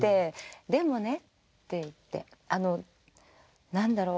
「でもね」って言ってあの何だろう